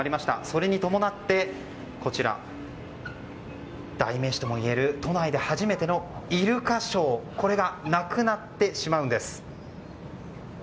それに伴って代名詞ともいえる都内で初めてのイルカショーがなくなってしまうんです。